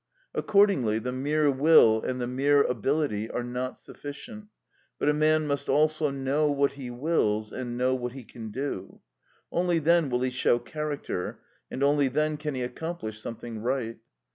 Accordingly, the mere will and the mere ability are not sufficient, but a man must also know what he wills, and know what he can do; only then will he show character, and only then can he accomplish something right.